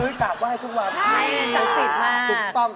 เอาของแดมมาชนของสวยอย่างงานตรงนี้ครับคุณแม่ตั๊ก